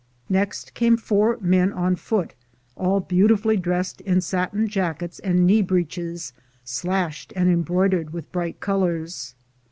Next came four men on foot, all beautifully dressed in satin jackets and knee breeches, slashed and em broidered with bright colors.